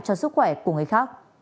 cho sức khỏe của người khác